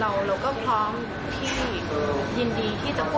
ก็อยากให้เรื่องมันจบลงได้ดีเพราะว่าต่างฝ่ายก็ต่างธรรมหาดินได้กันทั้งคู่